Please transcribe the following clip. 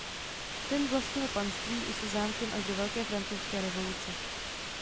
Ten vlastnil panství i se zámkem až do Velké francouzské revoluce.